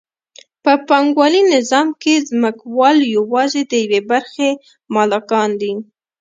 په پانګوالي نظام کې ځمکوال یوازې د یوې برخې مالکان دي